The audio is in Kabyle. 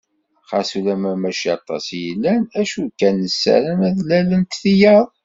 Xas ulamma mačči aṭas i yellan, acu kan nessaram ad d-lalent tiyaḍ.